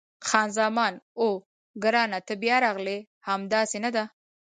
خان زمان: اوه، ګرانه ته بیا راغلې! همداسې نه ده؟